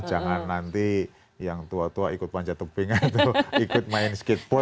jangan nanti yang tua tua ikut panjat tebing atau ikut main skateboard